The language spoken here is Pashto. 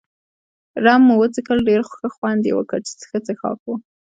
رم مو وڅښل، ډېر ښه خوند يې وکړ، چې ښه څښاک وو.